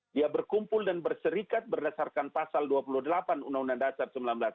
dia berkumpul dan berserikat berdasarkan pasal dua puluh delapan undang undang dasar seribu sembilan ratus empat puluh lima